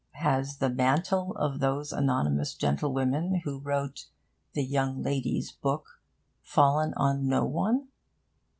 Has the mantle of those anonymous gentlewomen who wrote The Young Lady's Book fallen on no one?